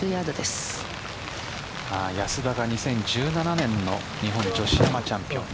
安田が２０１７年の日本女子アマチャンピオン。